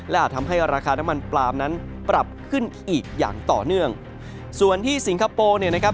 และอาจทำให้ราคาน้ำมันปลามนั้นปรับขึ้นอีกอย่างต่อเนื่องส่วนที่สิงคโปร์เนี่ยนะครับ